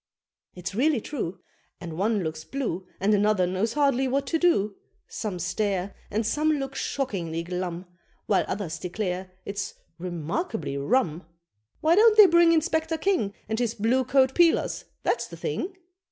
It's really true: And one looks blue And another knows hardly what to do: Some stare, and some Look shockingly glum, While others declare it's "remarkably rum." "Why don't they bring Inspector King, And his blue coat 'peelers?' that's the thing?"